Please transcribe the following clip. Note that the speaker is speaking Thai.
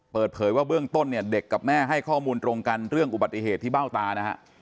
เปิดเผยว่าเบื้องต้นเนี่ยเด็กกับแม่ให้ข้อมูลตรงกันเรื่องอุบัติเหตุที่เบ้าตานะฮะ